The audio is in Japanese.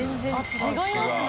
違いますね。